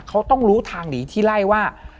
เขาต้องรู้ทางหนีที่ไล่ว่า